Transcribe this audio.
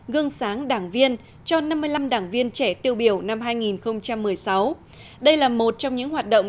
gương sáng đảng viên cho năm mươi năm đảng viên trẻ tiêu biểu năm hai nghìn một mươi sáu đây là một trong những hoạt động